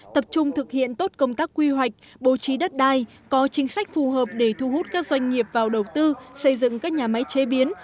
tập trung thực hiện tốt công tác quy hoạch bố trí đất đai có chính sách phù hợp để thu hút các doanh nghiệp vào đầu tư xây dựng các nhà máy chế biến